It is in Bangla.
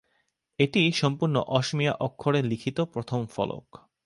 এটিই সম্পূর্ণ অসমীয়া অক্ষরে লিখিত প্রথম ফলক।